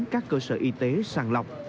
các cơ sở y tế sàng lọc